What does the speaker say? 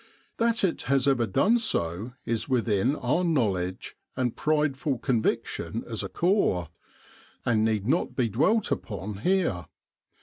That it has ever done so is within our knowledge and prideful conviction as a Corps, and need not be dwelt upon here.